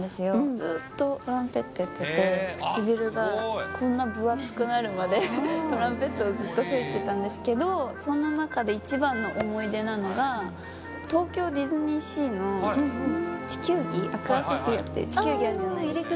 ずっとトランペットやってて、唇がこんな分厚くなるまで、トランペットをずっと吹いてたんですけど、そんな中で一番の思い出なのが、東京ディズニーシーの地球儀、アクアスフィアっていう地球儀あるじゃないですか。